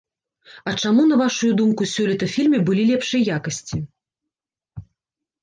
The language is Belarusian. А чаму, на вашую думку, сёлета фільмы былі лепшай якасці?